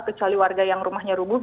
kecuali warga yang rumahnya rubuh